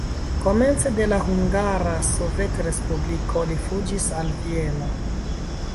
Komence de la Hungara Sovetrespubliko li fuĝis al Vieno.